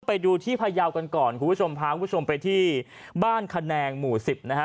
ไปดูที่พยาวกันก่อนคุณผู้ชมพาคุณผู้ชมไปที่บ้านขนงหมู่สิบนะฮะ